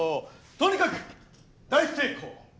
とにかく大成功。